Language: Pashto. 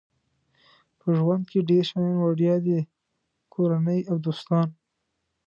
په ژوند کې ډېر شیان وړیا دي کورنۍ او دوستان.